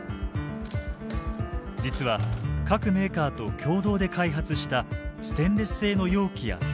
実は各メーカーと共同で開発したステンレス製の容器や瓶。